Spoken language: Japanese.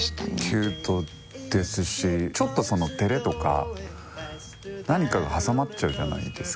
キュートですしちょっと何かが挟まっちゃうじゃないですか。